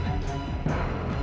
saya mau mencari kemampuan